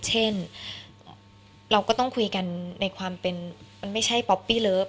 เช่นเราก็ต้องคุยกันในความเป็นมันไม่ใช่ป๊อปปี้เลิฟ